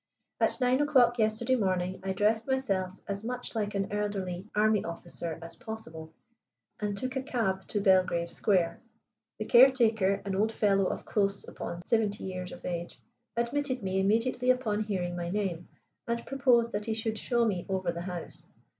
"At nine o'clock yesterday morning I dressed myself as much like an elderly army officer as possible, and took a cab to Belgrave Square. The caretaker, an old fellow of close upon seventy years of age, admitted me immediately upon hearing my name, and proposed that he should show me over the house.